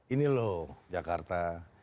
ini loh jakarta